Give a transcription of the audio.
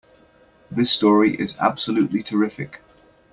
This story is absolutely terrific!